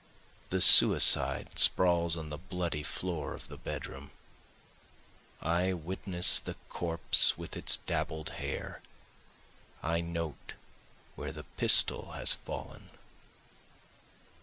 The suicide sprawls on the bloody floor of the bedroom, I witness the corpse with its dabbled hair, I note where the pistol has fallen.